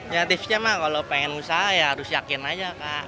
ya tipsnya mah kalau pengen usaha ya harus yakin aja kak